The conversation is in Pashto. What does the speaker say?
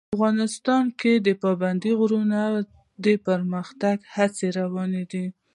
افغانستان کې د پابندي غرونو د پرمختګ هڅې روانې دي.